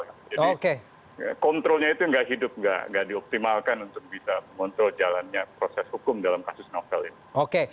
jadi kontrolnya itu tidak hidup tidak dioptimalkan untuk bisa mengontrol jalannya proses hukum dalam kasus novel ini